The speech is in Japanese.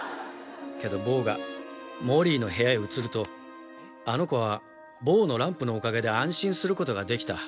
「けどボーがモリーの部屋へ移るとあの子はボーのランプのおかげで安心することができた」